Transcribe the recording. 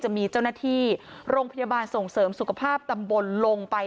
จะมีเจ้าหน้าที่โรงพยาบาลส่งเสริมสุขภาพตำบลลงไป